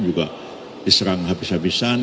juga diserang habis habisan